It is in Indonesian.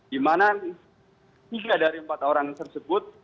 dimana tiga dari empat orang tersebut